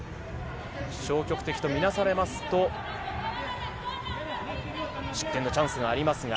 消極的とみなされますと失点のチャンスがあります。